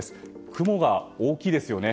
雲が大きいですよね。